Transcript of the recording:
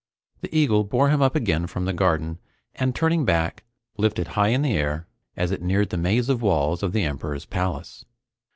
The eagle bore him up again from the garden, and turning back, lifted high in the air as it neared the maze of walls of the Emperor's palace.